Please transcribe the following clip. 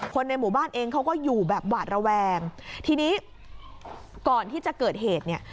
ในหมู่บ้านเองเขาก็อยู่แบบหวาดระแวงทีนี้ก่อนที่จะเกิดเหตุเนี่ย